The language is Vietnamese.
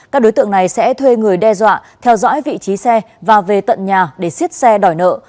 các đối tượng này sẽ thuê người đe dọa theo dõi vị trí xe và về tận nhà để xiết xe đòi nợ